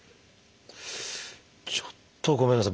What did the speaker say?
ちょっとごめんなさい。